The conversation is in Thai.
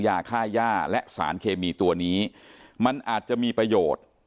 ยาค่าย่าและสารเคมีตัวนี้มันอาจจะมีประโยชน์